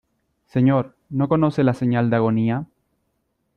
¿ señor, no conoce la señal de agonía?